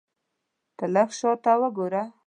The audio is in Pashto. ته لږ شاته وګوره !